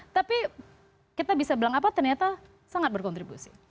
tapi kita bisa bilang apa ternyata sangat berkontribusi